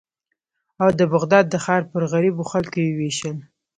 او د بغداد د ښار پر غریبو خلکو یې ووېشل.